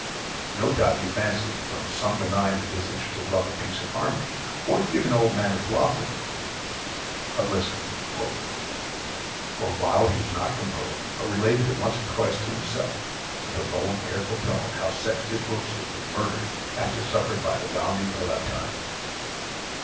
No doubt you fancy, from, some benign and disinterested love of peace and harmony, worthy of an old man and a philosopher. But listen "For a while he was not composed, but related it once or twice as to himself, with a low and careful tone, how Sextus Roscius was murthered after supper by the Balneæ Palatinæ.